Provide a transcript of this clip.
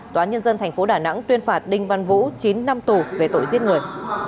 tòa nhân dân tp đà nẵng tuyên phạt đinh văn vũ chín năm tù về tội giết người